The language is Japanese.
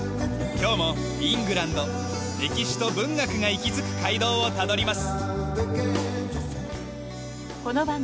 今日もイングランド歴史と文学が息づく街道をたどります。